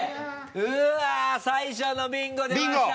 うわぁ最初のビンゴ出ました。